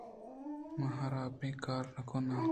ما ھراب ایں کاراں نہ کنیں۔